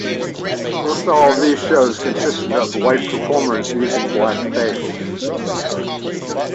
Most all of these shows consisted of white performers using "blackface".